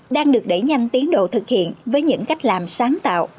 đang được đẩy nhanh tiến độ thực hiện với những cách làm sáng tạo